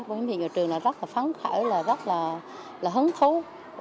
giáo viên của trường là rất là phán khảo rất là hứng thú